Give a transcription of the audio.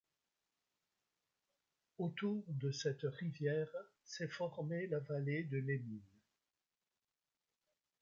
Autour de cette rivière, s'est formée la Vallée de l'Emin.